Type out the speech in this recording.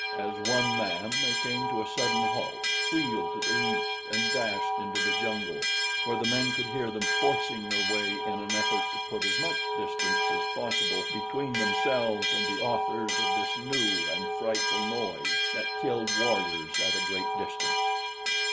As one man they came to a sudden halt, wheeled to the east and dashed into the jungle, where the men could hear them forcing their way in an effort to put as much distance as possible between themselves and the authors of this new and frightful noise that killed warriors at a great distance.